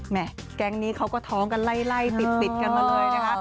แก๊งนี้เขาก็ท้องกันไล่ติดกันมาเลยนะคะ